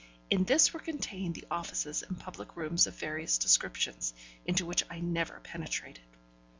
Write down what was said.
In this were contained the offices and public rooms of various descriptions, into which I never penetrated.